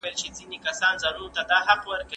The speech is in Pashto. خلک د ژبې خبرې نه کوي.